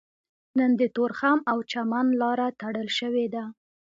نن د تورخم او چمن لاره تړل شوې ده